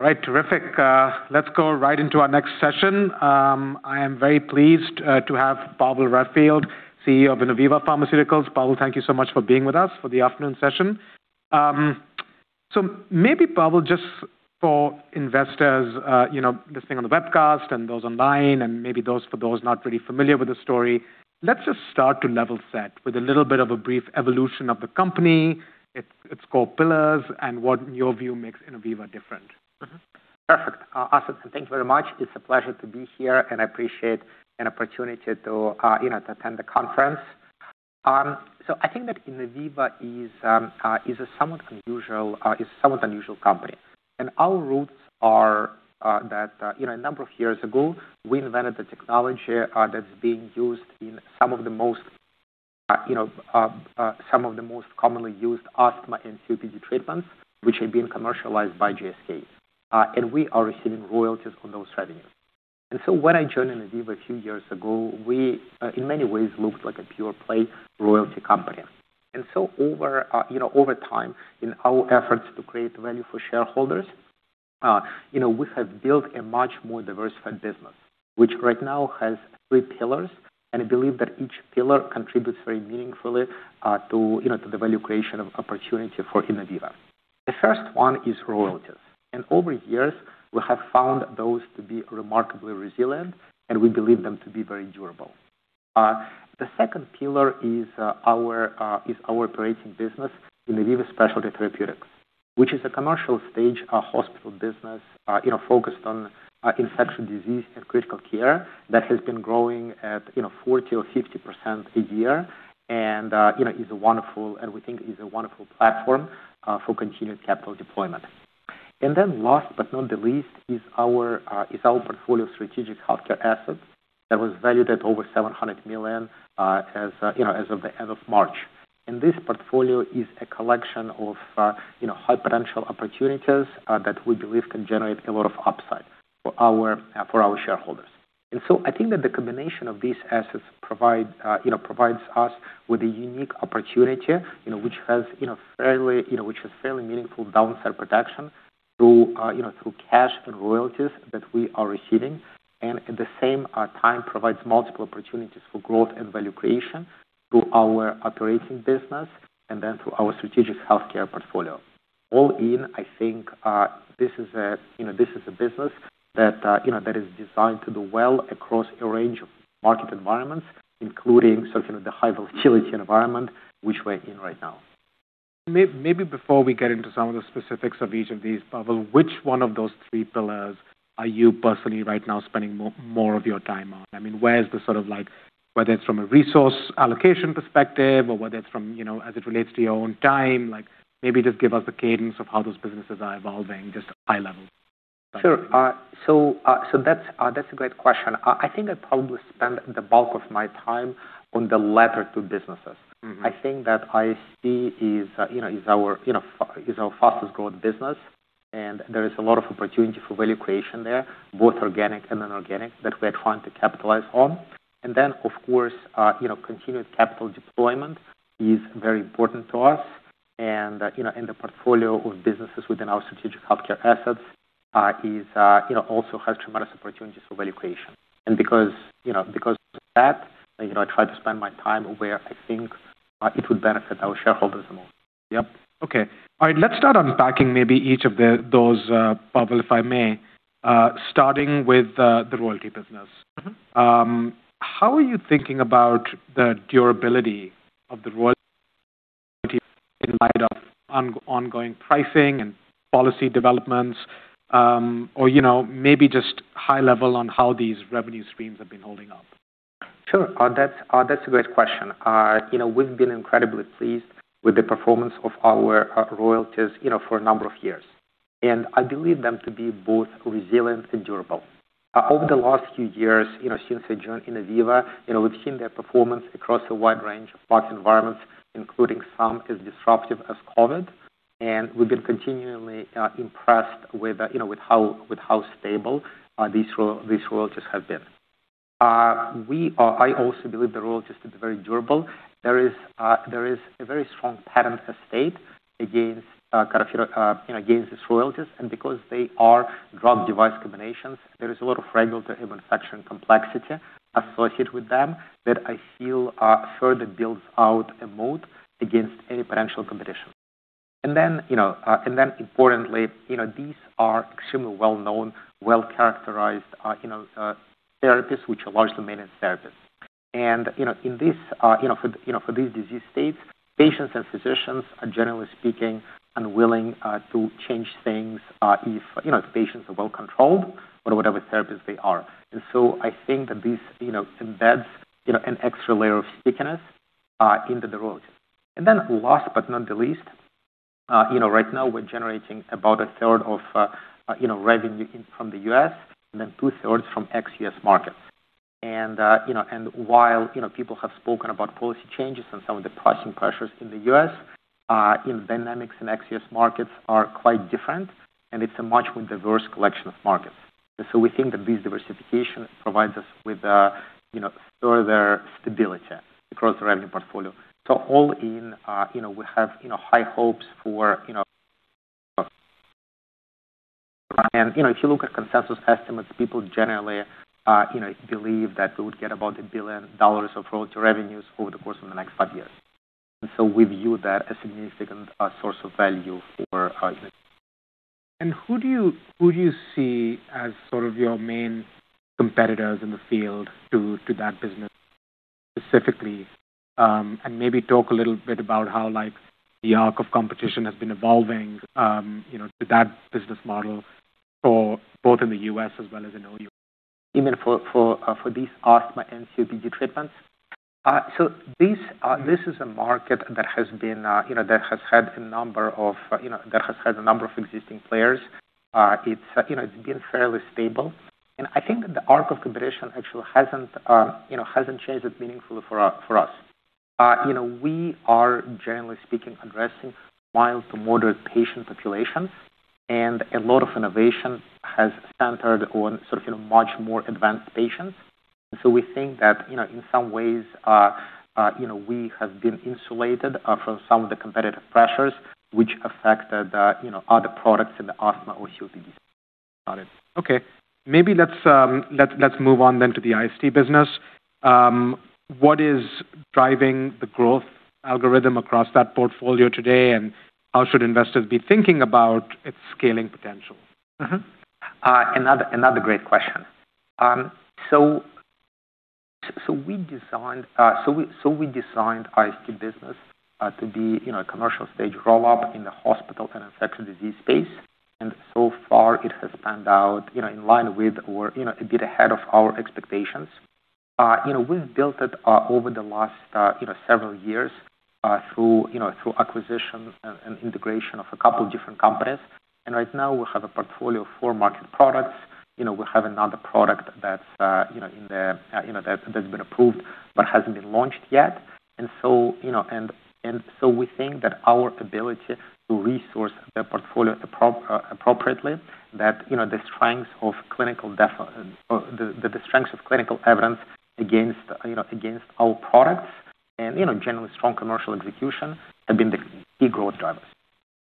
Right. Terrific. Let's go right into our next session. I am very pleased to have Pavel Raifeld, CEO of Innoviva. Pavel, thank you so much for being with us for the afternoon session. Maybe, Pavel, just for investors listening on the webcast and those online and maybe for those not really familiar with the story, let's just start to level set with a little bit of a brief evolution of the company, its core pillars, and what in your view makes Innoviva different. Perfect. Asif, thank you very much. It's a pleasure to be here, and I appreciate an opportunity to attend the conference. I think that Innoviva is a somewhat unusual company. Our roots are that a number of years ago, we invented the technology that's being used in some of the most commonly used asthma and COPD treatments, which are being commercialized by GSK. We are receiving royalties on those revenues. When I joined Innoviva a few years ago, we, in many ways, looked like a pure play royalty company. Over time, in our efforts to create value for shareholders, we have built a much more diversified business. Which right now has three pillars, and I believe that each pillar contributes very meaningfully to the value creation opportunity for Innoviva. The first one is royalties. Over years, we have found those to be remarkably resilient, and we believe them to be very durable. The second pillar is our operating business, Innoviva Specialty Therapeutics, which is a commercial stage hospital business focused on infectious disease and critical care that has been growing at 40% or 50% a year and we think is a wonderful platform for continued capital deployment. Then last but not the least is our portfolio of strategic healthcare assets that was valued at over $700 million as of March. This portfolio is a collection of high potential opportunities that we believe can generate a lot of upside for our shareholders. I think that the combination of these assets provides us with a unique opportunity which has fairly meaningful downside protection through cash and royalties that we are receiving and at the same time provides multiple opportunities for growth and value creation through our operating business and then through our strategic healthcare portfolio. All in, I think this is a business that is designed to do well across a range of market environments, including the high volatility environment which we're in right now. Maybe before we get into some of the specifics of each of these, Pavel, which one of those three pillars are you personally right now spending more of your time on? Where's the sort of like, whether it's from a resource allocation perspective or whether it's as it relates to your own time, maybe just give us a cadence of how those businesses are evolving, just high level. Sure. That's a great question. I think I probably spend the bulk of my time on the latter two businesses. I think that IST is our fastest-growing business, and there is a lot of opportunity for value creation there, both organic and inorganic, that we are trying to capitalize on. Then, of course, continued capital deployment is very important to us. The portfolio of businesses within our strategic healthcare assets also has tremendous opportunities for value creation. Because of that, I try to spend my time where I think it would benefit our shareholders the most. Yep. Okay. All right. Let's start unpacking maybe each of those, Pavel, if I may, starting with the royalty business. How are you thinking about the durability of the royalty in light of ongoing pricing and policy developments? Maybe just high level on how these revenue streams have been holding up. Sure. That's a great question. We've been incredibly pleased with the performance of our royalties for a number of years. I believe them to be both resilient and durable. Over the last few years, since I joined Innoviva, we've seen their performance across a wide range of market environments, including some as disruptive as COVID, we've been continually impressed with how stable these royalties have been. I also believe the royalties to be very durable. There is a very strong patent estate against these royalties. Because they are drug device combinations, there is a lot of regulatory and manufacturing complexity associated with them that I feel further builds out a moat against any potential competition. Importantly, these are extremely well-known, well-characterized therapies, which are large-domainant therapies. For these disease states, patients and physicians are, generally speaking, unwilling to change things if patients are well-controlled on whatever therapies they are. This embeds an extra layer of stickiness into the royalties. Last but not the least, right now we're generating about 1/3 of revenue from the U.S. and then 2/3 from ex-U.S. markets. While people have spoken about policy changes and some of the pricing pressures in the U.S., the dynamics in ex-U.S. markets are quite different, and it's a much more diverse collection of markets. So we think that this diversification provides us with further stability across the revenue portfolio. All in, we have high hopes for. If you look at consensus estimates, people generally believe that we would get about $1 billion of royalty revenues over the course of the next five years. We view that as a significant source of value for our business. Who do you see as sort of your main competitors in the field to that business specifically? Maybe talk a little bit about how the arc of competition has been evolving to that business model for both in the U.S. as well as in EU. Even for these asthma and COPD treatments? This is a market that has had a number of existing players. It's been fairly stable, and I think that the arc of competition actually hasn't changed it meaningfully for us. We are, generally speaking, addressing mild to moderate patient populations, and a lot of innovation has centered on much more advanced patients. We think that, in some ways, we have been insulated from some of the competitive pressures which affect the other products in the asthma or COPD space. Got it. Okay. Maybe let's move on to the IST business. What is driving the growth algorithm across that portfolio today, and how should investors be thinking about its scaling potential? Another great question. We designed IST business to be a commercial stage roll-up in the hospital and infectious disease space, and so far it has panned out in line with or a bit ahead of our expectations. We've built it over the last several years through acquisitions and integration of a couple different companies. Right now we have a portfolio of four marketed products. We have another product that's been approved but hasn't been launched yet. We think that our ability to resource the portfolio appropriately, that the strengths of clinical evidence against our products and generally strong commercial execution have been the key growth drivers.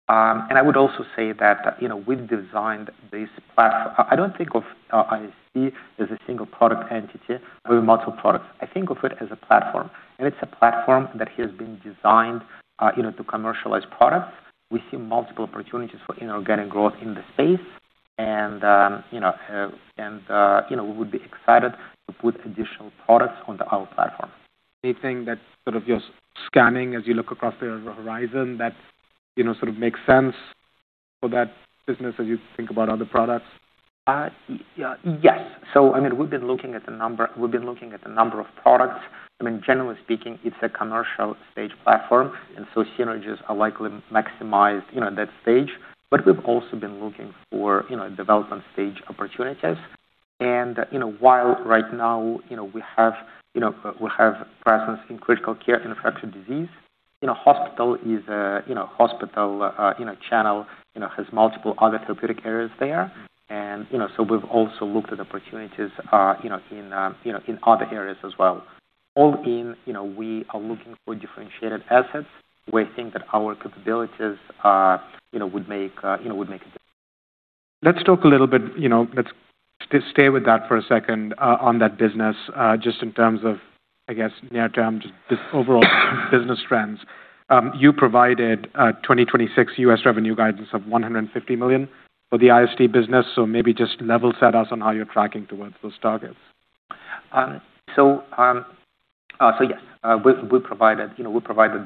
I would also say that we've designed this I don't think of IST as a single product entity having multiple products. I think of it as a platform. It's a platform that has been designed to commercialize products. We see multiple opportunities for organic growth in the space. We would be excited to put additional products onto our platform. Anything that sort of you're scanning as you look across the horizon that sort of makes sense for that business as you think about other products? Yes. I mean, we've been looking at a number of products. I mean, generally speaking, it's a commercial stage platform. Synergies are likely maximized that stage. We've also been looking for development stage opportunities. While right now we have presence in critical care infectious disease, hospital channel has multiple other therapeutic areas there. We've also looked at opportunities in other areas as well. All in, we are looking for differentiated assets where we think that our capabilities would make a difference. Let's talk a little bit, let's stay with that for a second on that business, just in terms of, I guess, near term, just the overall business trends. You provided 2026 U.S. revenue guidance of $150 million for the IST business. Maybe just level set us on how you're tracking towards those targets. Yes. We provided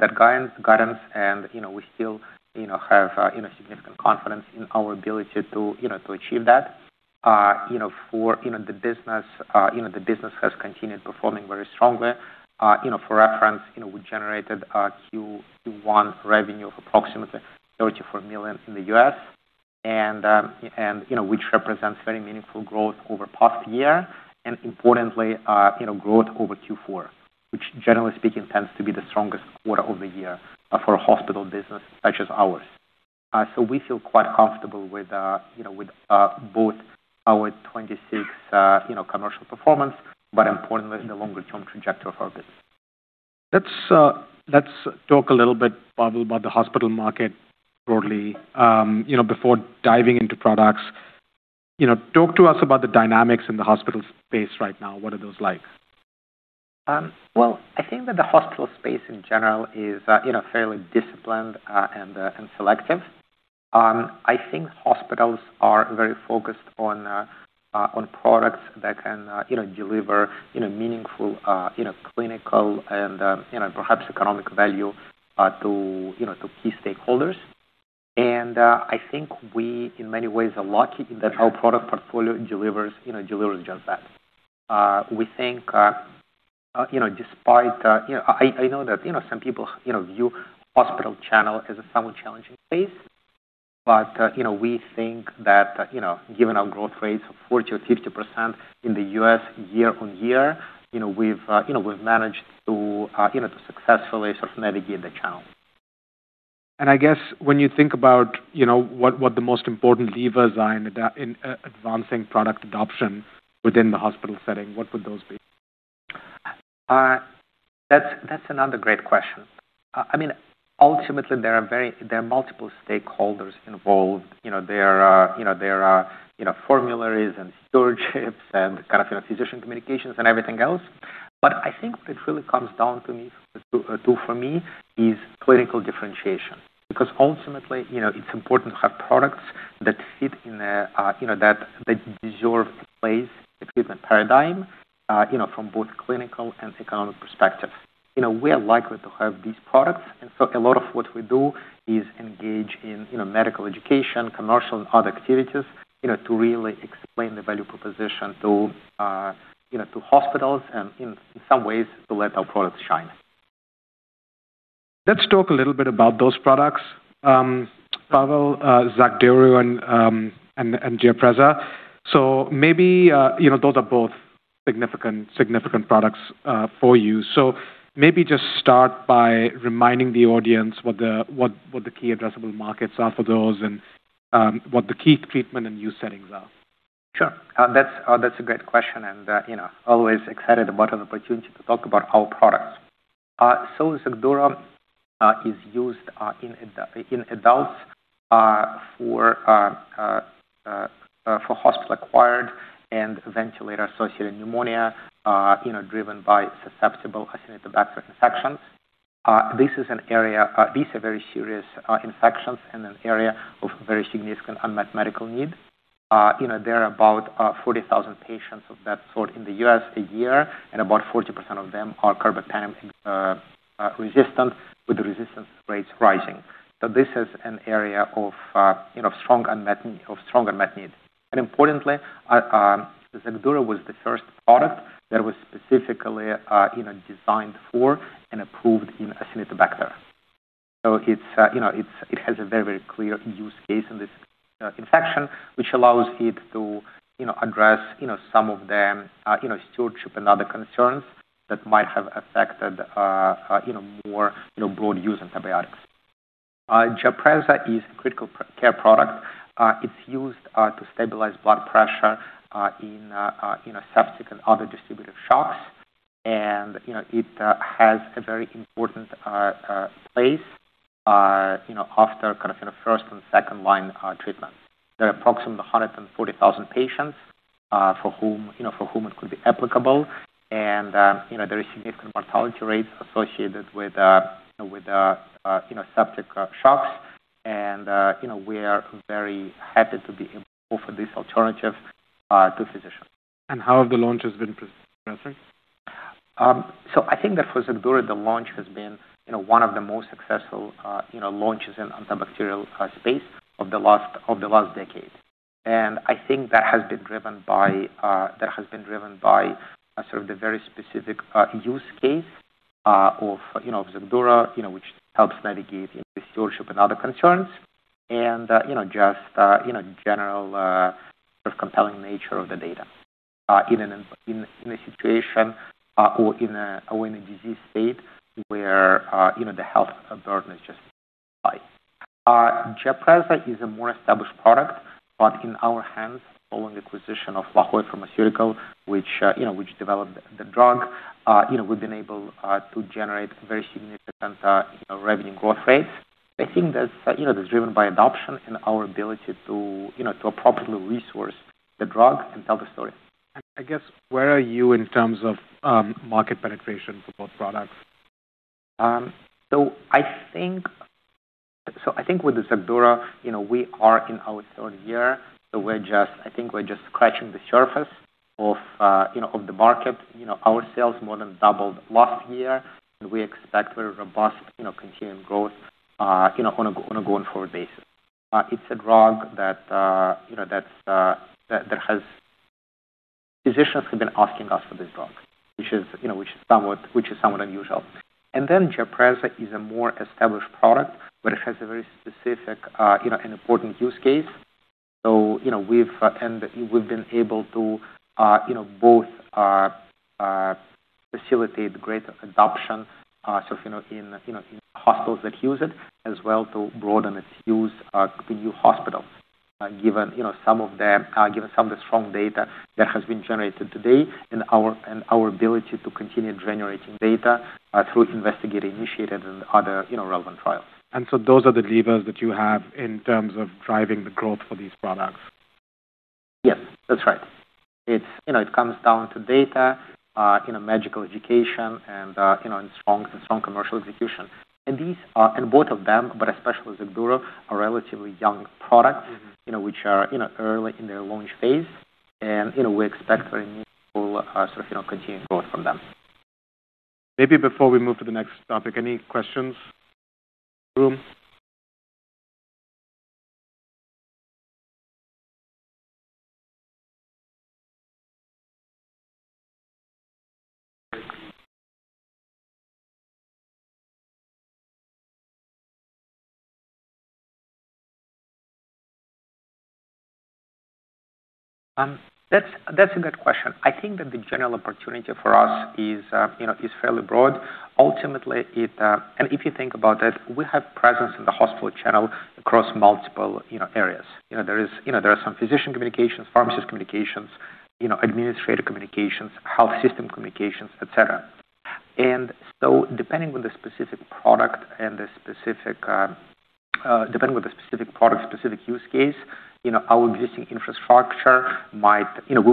that guidance, and we still have significant confidence in our ability to achieve that. The business has continued performing very strongly. For reference, we generated a Q1 revenue of approximately $34 million in the U.S., which represents very meaningful growth over past year and importantly, growth over Q4, which generally speaking, tends to be the strongest quarter of the year for a hospital business such as ours. We feel quite comfortable with both our 2026 commercial performance, importantly, the longer term trajectory of our business. Let's talk a little bit, Pavel, about the hospital market broadly. Before diving into products, talk to us about the dynamics in the hospital space right now. What are those like? Well, I think that the hospital space in general is fairly disciplined and selective. I think hospitals are very focused on products that can deliver meaningful clinical and perhaps economic value to key stakeholders. I think we, in many ways, are lucky that our product portfolio delivers just that. I know that some people view hospital channel as a somewhat challenging space, we think that given our growth rates of 40% or 50% in the U.S. year-over-year, we've managed to successfully sort of navigate the channel. I guess when you think about what the most important levers are in advancing product adoption within the hospital setting, what would those be? That's another great question. Ultimately, there are multiple stakeholders involved. There are formularies and stewardship and kind of physician communications and everything else. I think what it really comes down to for me is clinical differentiation, because ultimately, it's important to have products that deserve a place in the treatment paradigm from both clinical and economic perspectives. We are likely to have these products, A lot of what we do is engage in medical education, commercial and other activities to really explain the value proposition to hospitals and in some ways to let our products shine. Let's talk a little bit about those products, Pavel, XACDURO and GIAPREZA. Those are both significant products for you. Maybe just start by reminding the audience what the key addressable markets are for those and what the key treatment and use settings are. Sure. That's a great question and always excited about an opportunity to talk about our products. XACDURO is used in adults for hospital-acquired and ventilator-associated pneumonia driven by susceptible Acinetobacter infections. These are very serious infections and an area of very significant unmet medical need. There are about 40,000 patients of that sort in the U.S. a year, and about 40% of them are carbapenem-resistant, with the resistance rates rising. This is an area of strong unmet need. Importantly, XACDURO was the first product that was specifically designed for and approved in Acinetobacter. It has a very clear use case in this infection, which allows it to address some of the stewardship and other concerns that might have affected more broad-use antibiotics. GIAPREZA is a critical care product. It's used to stabilize blood pressure in septic and other distributive shock. It has a very important place after first and second-line treatment. There are approximately 140,000 patients for whom it could be applicable, and there are significant mortality rates associated with septic shock. We are very happy to be able to offer this alternative to physicians. How have the launches been progressing? I think that for XACDURO, the launch has been one of the most successful launches in the antibacterial space of the last decade. I think that has been driven by the very specific use case of XACDURO, which helps navigate the stewardship and other concerns and just general compelling nature of the data in a situation or in a disease state where the health burden is just high. GIAPREZA is a more established product, but in our hands, following the acquisition of La Jolla Pharmaceutical, which developed the drug, we've been able to generate very significant revenue growth rates. I think that's driven by adoption and our ability to appropriately resource the drug and tell the story. Where are you in terms of market penetration for both products? I think with the XACDURO, we are in our third year, I think we're just scratching the surface of the market. Our sales more than doubled last year, and we expect very robust continuing growth on a going-forward basis. It's a drug that physicians have been asking us for this drug, which is somewhat unusual. GIAPREZA is a more established product, but it has a very specific and important use case. We've been able to both facilitate greater adoption in hospitals that use it as well to broaden its use to new hospitals, given some of the strong data that has been generated to date and our ability to continue generating data through investigator-initiated and other relevant trials. Those are the levers that you have in terms of driving the growth for these products. Yes, that's right. It comes down to data, medical education, and strong commercial execution. Both of them, but especially XACDURO, are relatively young products which are early in their launch phase. We expect very meaningful sort of continuing growth from them. Maybe before we move to the next topic, any questions from the room? That's a good question. I think that the general opportunity for us is fairly broad. Ultimately, if you think about it, we have presence in the hospital channel across multiple areas. There are some physician communications, pharmacist communications, administrative communications, health system communications, et cetera. Depending on the specific product and specific use case, we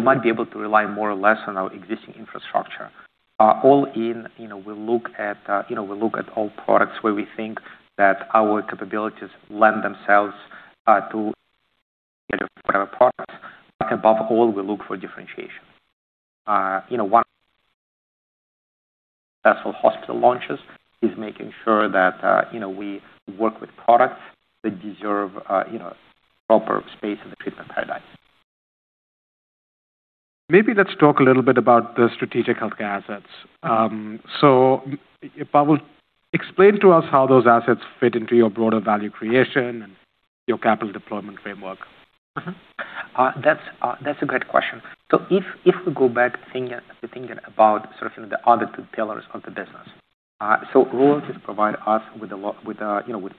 might be able to rely more or less on our existing infrastructure. All in, we look at all products where we think that our capabilities lend themselves to whatever products. Above all, we look for differentiation. One successful hospital launch is making sure that we work with products that deserve proper space in the treatment paradigm. Let's talk a little bit about the strategic healthcare assets. Pavel, explain to us how those assets fit into your broader value creation and your capital deployment framework. That's a great question. If we go back thinking about sort of the other two pillars of the business. Royalties provide us with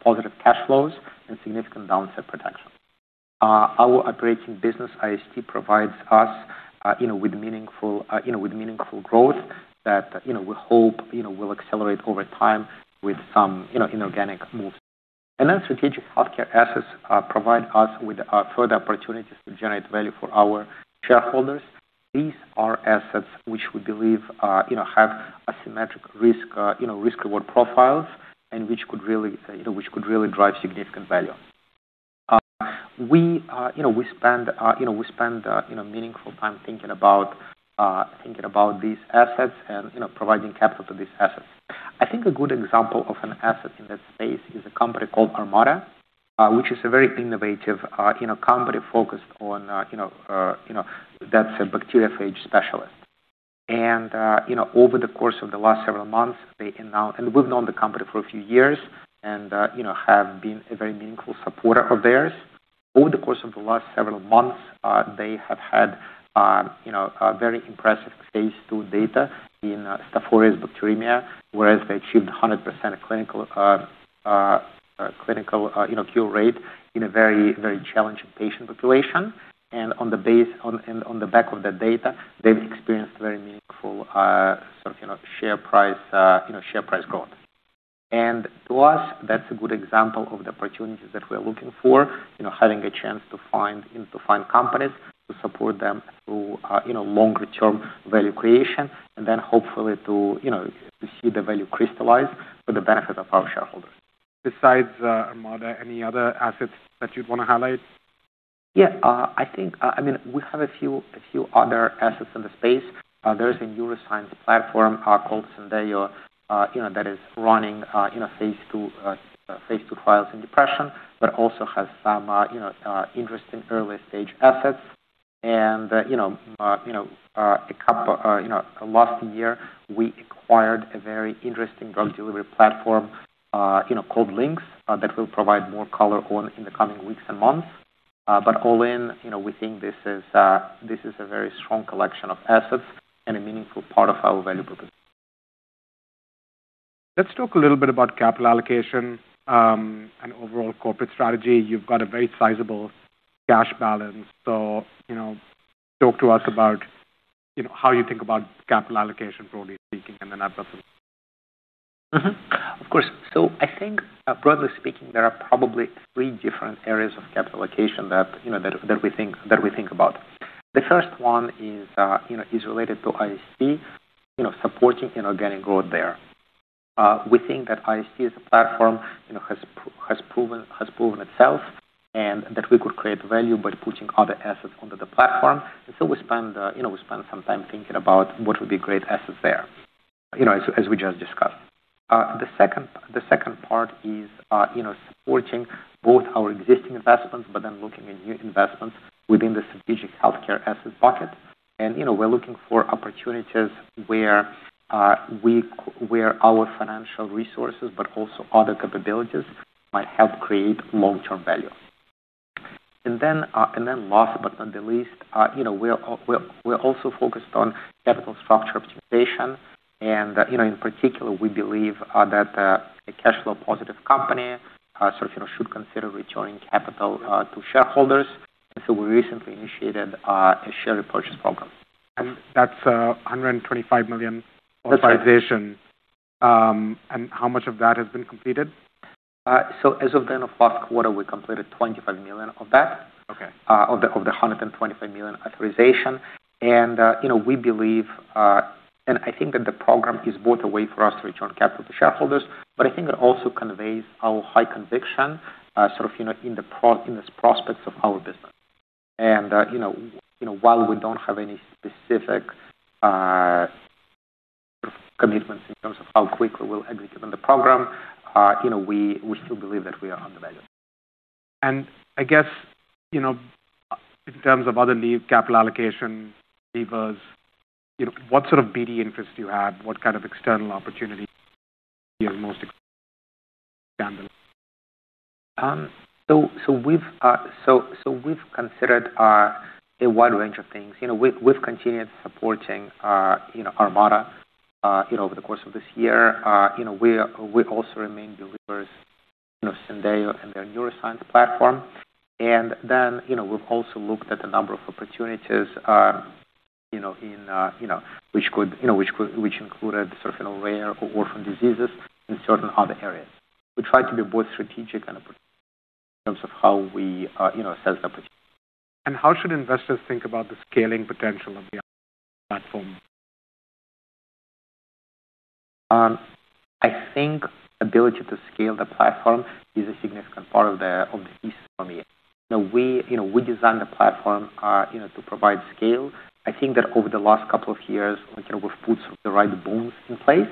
positive cash flows and significant downside protection. Our operating business, IST, provides us with meaningful growth that we hope will accelerate over time with some inorganic moves. Strategic healthcare assets provide us with further opportunities to generate value for our shareholders. These are assets which we believe have asymmetric risk-reward profiles and which could really drive significant value. We spend meaningful time thinking about these assets and providing capital to these assets. I think a good example of an asset in that space is a company called Armata, which is a very innovative company that's a bacteriophage specialist. We've known the company for a few years and have been a very meaningful supporter of theirs. Over the course of the last several months, they have had very impressive phase II data in Staph aureus bacteremia, whereas they achieved 100% clinical cure rate in a very challenging patient population. On the back of that data, they've experienced very meaningful share price growth. To us, that's a good example of the opportunities that we're looking for, having a chance to find companies to support them through longer-term value creation, then hopefully to see the value crystallize for the benefit of our shareholders. Besides Armata, any other assets that you'd want to highlight? We have a few other assets in the space. There is a neuroscience platform called Syndeio that is running phase II trials in depression, but also has some interesting early-stage assets. Last year, we acquired a very interesting drug delivery platform called Linx that we'll provide more color on in the coming weeks and months. All in, we think this is a very strong collection of assets and a meaningful part of our value proposition. Let's talk a little bit about capital allocation and overall corporate strategy. You've got a very sizable cash balance. Talk to us about how you think about capital allocation broadly speaking and then afterwards. Of course. I think, broadly speaking, there are probably three different areas of capital allocation that we think about. The first one is related to IST, supporting inorganic growth there. We think that IST as a platform has proven itself and that we could create value by putting other assets onto the platform. We spend some time thinking about what would be great assets there, as we just discussed. The second part is supporting both our existing investments looking at new investments within the strategic healthcare asset bucket. We're looking for opportunities where our financial resources, also other capabilities might help create long-term value. Last but not the least, we're also focused on capital structure optimization. In particular, we believe that a cash flow positive company should consider returning capital to shareholders. We recently initiated a share repurchase program. That's $125 million authorization. That's right. How much of that has been completed? As of the end of last quarter, we completed $25 million of that. Okay. Of the $125 million authorization. I think that the program is both a way for us to return capital to shareholders, but I think it also conveys our high conviction in the prospects of our business. While we don't have any specific commitments in terms of how quickly we'll execute on the program, we still believe that we are undervalued. I guess, in terms of other new capital allocation levers, what sort of BD interest do you have? What kind of external opportunities are you most We've considered a wide range of things. We've continued supporting Armata over the course of this year. We also remain believers in Syndeio and their neuroscience platform. We've also looked at a number of opportunities which included sort of rare orphan diseases in certain other areas. We try to be both strategic and opportunistic in terms of how we assess opportunities. How should investors think about the scaling potential of the Innoviva platform? I think ability to scale the platform is a significant part of the thesis for me. We designed the platform to provide scale. I think that over the last couple of years, we've put the right bones in place.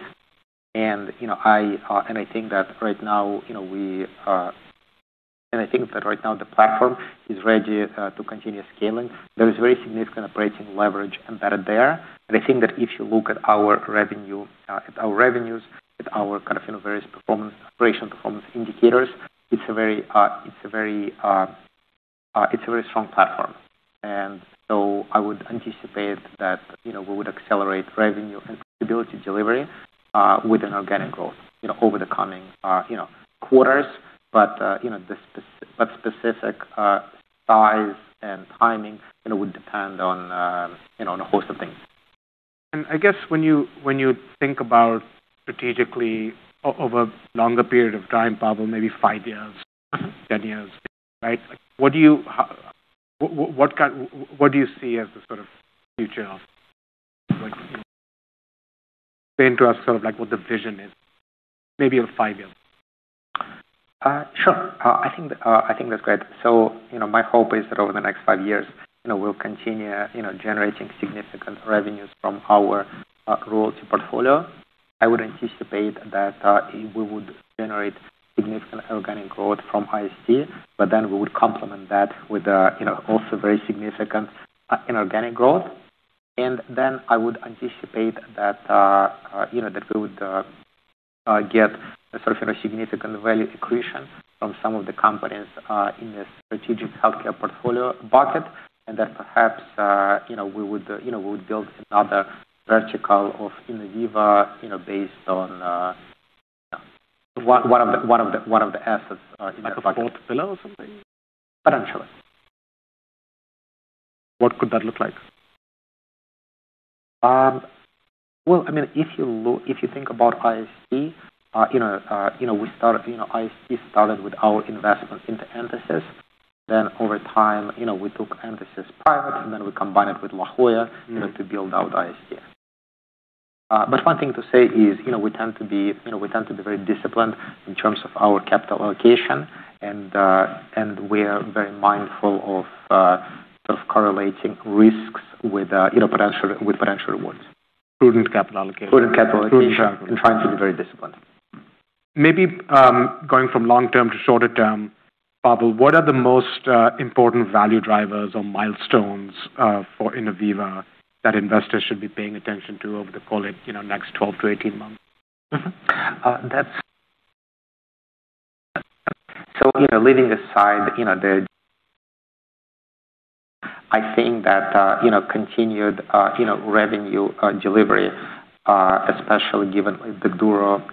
I think that right now the platform is ready to continue scaling. There is very significant operating leverage embedded there. I think that if you look at our revenues, at our kind of various operation performance indicators, it's a very strong platform. I would anticipate that we would accelerate revenue and profitability delivery with an organic growth over the coming quarters. Specific size and timing, it would depend on a host of things. I guess when you think about strategically over longer period of time, Pavel, maybe five years, 10 years, right? What do you see as the sort of future of Innoviva? Explain to us sort of what the vision is maybe in five years. Sure. I think that's great. My hope is that over the next five years, we'll continue generating significant revenues from our royalty portfolio. I would anticipate that we would generate significant organic growth from IST, we would complement that with also very significant inorganic growth. I would anticipate that we would get a sort of significant value accretion from some of the companies in the strategic healthcare portfolio bucket, that perhaps we would build another vertical of Innoviva based on one of the assets in that bucket. Like a fourth pillar or something? Potentially. What could that look like? If you think about IST started with our investment into Entasis. Over time, we took Entasis private, and then we combined it with La Jolla to build out IST. One thing to say is we tend to be very disciplined in terms of our capital allocation, and we're very mindful of sort of correlating risks with potential rewards. Prudent capital allocation. Prudent capital allocation and trying to be very disciplined. Maybe going from long-term to shorter term, Pavel, what are the most important value drivers or milestones for Innoviva that investors should be paying attention to over the, call it, next 12-18 months? Leaving aside the I think that continued revenue delivery, especially given the XACDURO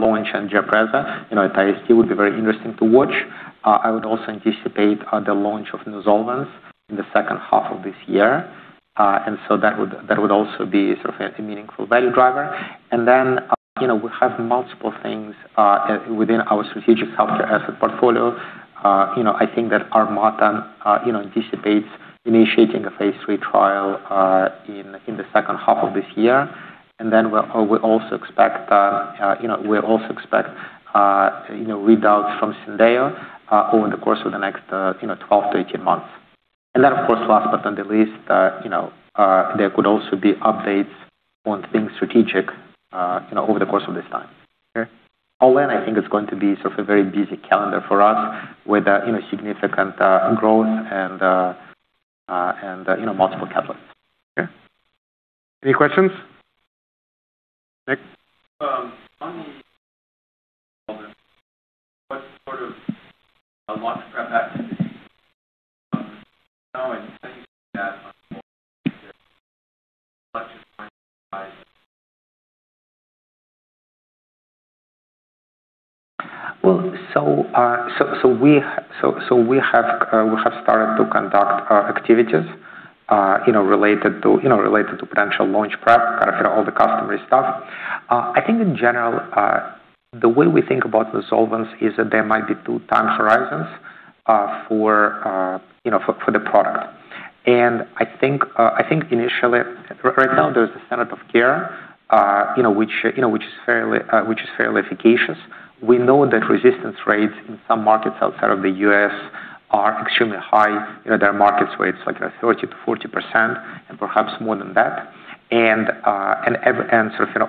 launch and GIAPREZA at IST, would be very interesting to watch. I would also anticipate the launch of NUZOLVENCE in the second half of this year. That would also be sort of a meaningful value driver. We have multiple things within our strategic healthcare asset portfolio. I think that Armata anticipates initiating a phase III trial in the second half of this year. We also expect readouts from Syndeio over the course of the next 12-18 months. Of course, last but not least, there could also be updates on things strategic over the course of this time. Okay. All in, I think it's going to be sort of a very busy calendar for us with significant growth and multiple catalysts. Okay. Any questions? Nick. On the [NUZOLVENCE], what sort of launch prep activities are going into that? Well, we have started to conduct activities related to potential launch prep, kind of all the customary stuff. I think in general, the way we think about NUZOLVENCE is that there might be two time horizons for the product. Initially, right now there's a standard of care which is fairly efficacious. We know that resistance rates in some markets outside of the U.S. are extremely high. There are markets where it's like 30%-40% and perhaps more than that.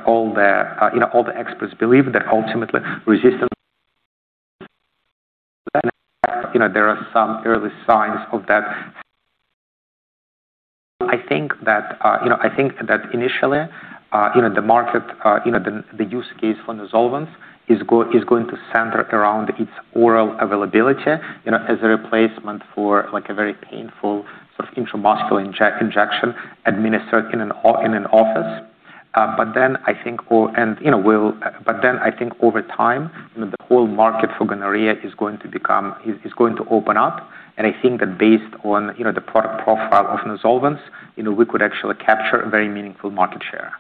All the experts believe that there are some early signs of that happening. I think that initially, the market, the use case for NUZOLVENCE is going to center around its oral availability as a replacement for a very painful sort of intramuscular injection administered in an office. I think over time, the whole market for gonorrhea is going to open up, and I think that based on the product profile of NUZOLVENCE, we could actually capture a very meaningful market share.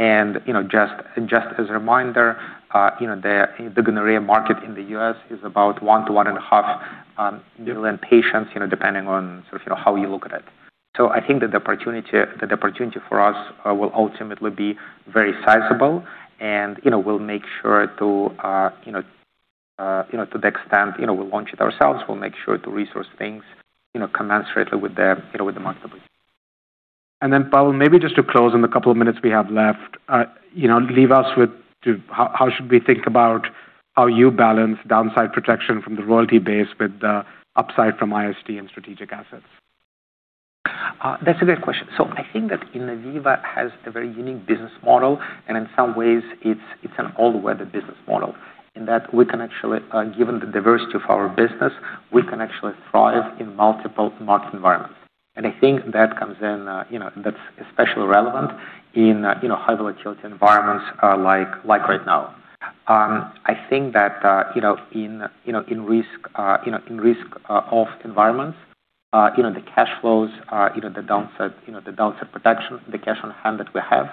Just as a reminder, the gonorrhea market in the U.S. is about 1 million-1.5 million patients, depending on sort of how you look at it. I think that the opportunity for us will ultimately be very sizable and we'll make sure to the extent we launch it ourselves, we'll make sure to resource things commensurately with the marketability. Pavel, maybe just to close in the couple of minutes we have left, leave us with how should we think about how you balance downside protection from the royalty base with the upside from IST and strategic assets? That's a great question. I think that Innoviva has a very unique business model, and in some ways it's an all-weather business model in that we can actually, given the diversity of our business, we can actually thrive in multiple market environments. I think that's especially relevant in high volatility environments like right now. I think that in risk-off environments, the cash flows, the downside protection, the cash on hand that we have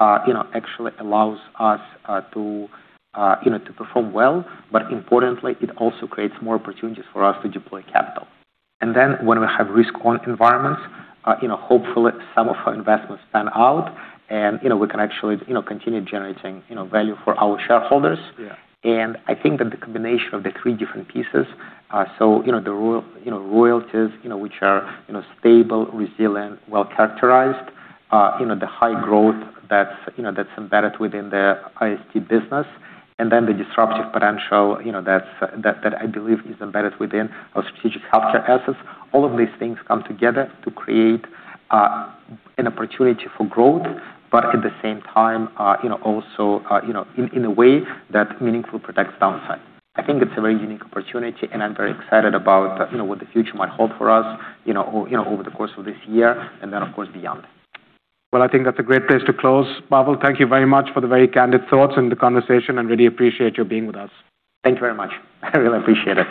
actually allows us to perform well. Importantly, it also creates more opportunities for us to deploy capital. When we have risk-on environments, hopefully some of our investments pan out and we can actually continue generating value for our shareholders. Yeah. I think that the combination of the three different pieces, so the royalties which are stable, resilient, well-characterized, the high growth that's embedded within the IST business, and then the disruptive potential that I believe is embedded within our strategic healthcare assets. All of these things come together to create an opportunity for growth, but at the same time also in a way that meaningfully protects downside. I think it's a very unique opportunity, and I'm very excited about what the future might hold for us over the course of this year and then, of course, beyond. Well, I think that's a great place to close. Pavel, thank you very much for the very candid thoughts and the conversation, and really appreciate you being with us. Thank you very much. I really appreciate it.